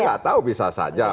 saya gak tahu bisa saja